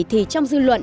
thì trong dư luận